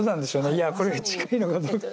いやこれが近いのかどうか。